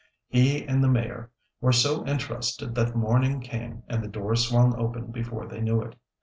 He and the Mayor were so interested that morning came and the door swung open before they knew it.